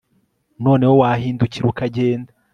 Noneho wahindukira ukagenda